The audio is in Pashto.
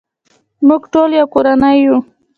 موږ ټول یو کورنۍ یو.